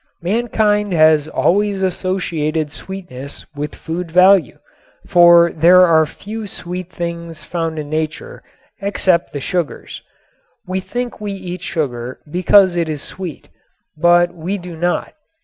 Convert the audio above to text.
Mankind has always associated sweetness with food value, for there are few sweet things found in nature except the sugars. We think we eat sugar because it is sweet. But we do not.